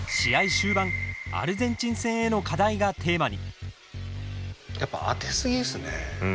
終盤アルゼンチン戦への課題がテーマに。